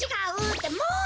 ってもう！